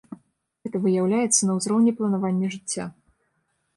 Гэта выяўляецца на ўзроўні планавання жыцця.